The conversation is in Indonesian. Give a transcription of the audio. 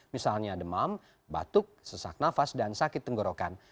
misalnya demam batuk sesak nafas dan sakit tenggorokan